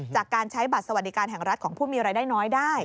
จากการใช้บัตรสวัสดิการแห่งรัฐของผู้มีรายได้น้อยได้